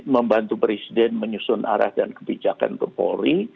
membantu presiden menyusun arah dan kebijakan ke polri